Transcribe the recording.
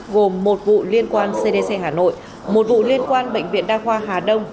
gồm một vụ liên quan cdc hà nội một vụ liên quan bệnh viện đa khoa hà đông